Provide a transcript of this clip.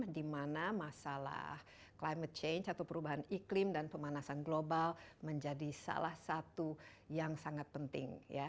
di mana masalah climate change atau perubahan iklim dan pemanasan global menjadi salah satu yang sangat penting